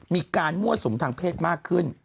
มีการมั่วสุมทางเพศมากขึ้น